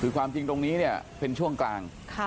คือความจริงตรงนี้เนี่ยเป็นช่วงกลาง